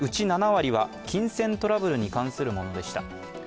７割は金銭トラブルに関するものでした。